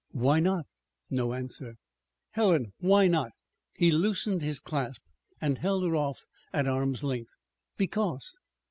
"Why not?" No answer. "Helen, why not?" He loosened his clasp and held her off at arms' length. "Because."